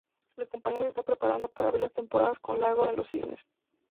La compañía se está preparando para abrir la temporada con Lago de los Cisnes.